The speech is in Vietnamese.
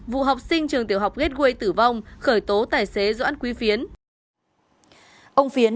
vụ học sinh trường tiểu học ghét quê tử vong khởi tố tài xế doãn quý phiến